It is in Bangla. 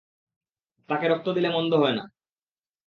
তাকে রক্ত দিলে মন্দ হয়না।